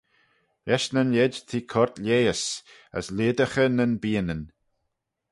Lesh nyn lheid t'eh coyrt lheihys, as leodaghey nyn bianyn.